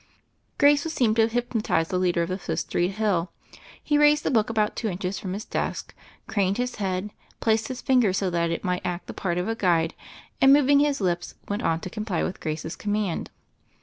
Grace would seem to have hypnotized the leader of the Fifth Street hill. He raised the book about two inches from his desk, craned his head, placed his finger so that it might act the part of a guide, and, moving his lips, went on to comply with Grace's command.